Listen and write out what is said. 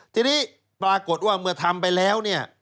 ทีนี้ปรากฏว่าเมื่อทำไปแล้วเนี่ย